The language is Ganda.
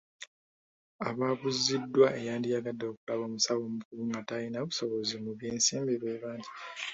Abaabuuziddwa eyandiyagadde okulaba omusawo omukugu nga talina busobozi mu by'ensimbi bebangi.